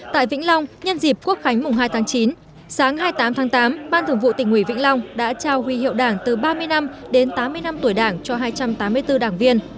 tại vĩnh long nhân dịp quốc khánh mùng hai tháng chín sáng hai mươi tám tháng tám ban thường vụ tỉnh ủy vĩnh long đã trao huy hiệu đảng từ ba mươi năm đến tám mươi năm tuổi đảng cho hai trăm tám mươi bốn đảng viên